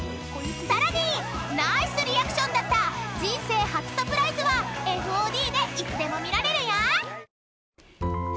［さらにナイスリアクションだった人生初サプライズはＦＯＤでいつでも見られるよ］